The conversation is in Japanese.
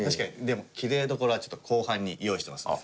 でもきれいどころは後半に用意してますので。